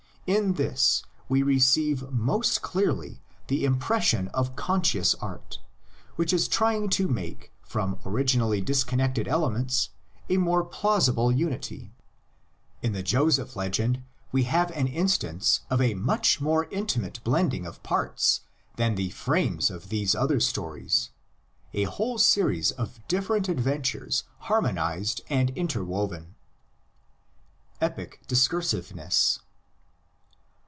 In this we receive most clearly the impression of conscious art, which is trying to make from originally disconnected elements a more plau sible unity. In the Joseph legend we have an instance of a much more intimate blending of parts than the "frames" of these other stories, a whole series of different adventures harmonised and inter woven. EPIC DISCURSIVENESS.